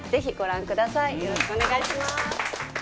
よろしくお願いします。